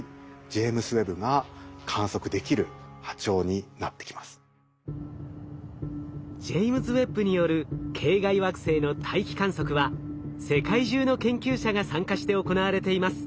ジェイムズ・ウェッブによる系外惑星の大気観測は世界中の研究者が参加して行われています。